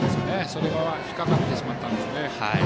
それが引っかかってしまったんですね。